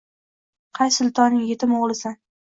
Qay sultonning yetim oʼgʼlisan?